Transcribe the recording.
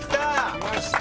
きました。